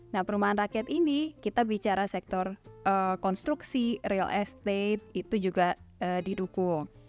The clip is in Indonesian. nah perumahan rakyat ini kita bicara sektor konstruksi real estate itu juga didukung